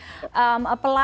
pelaku yang berpengalaman